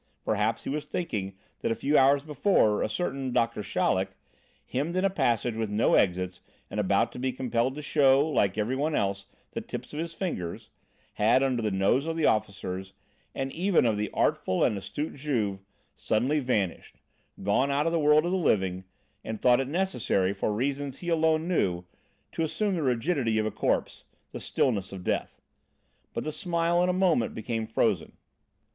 Perhaps he was thinking that a few hours before a certain Doctor Chaleck, hemmed in a passage with no exits and about to be compelled to show, like everyone else, the tips of his fingers, had, under the nose of the officers, and even of the artful and astute Juve, suddenly vanished, gone out of the world of the living and thought it necessary, for reasons he alone knew, to assume the rigidity of a corpse, the stillness of death. But the smile in a moment became frozen.